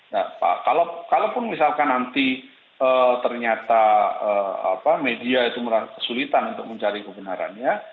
nah pak kalaupun misalkan nanti ternyata media itu kesulitan untuk mencari kebenarannya